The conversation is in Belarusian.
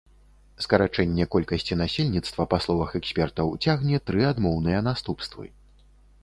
Скарачэнне колькасці насельніцтва, па словах экспертаў, цягне тры адмоўныя наступствы.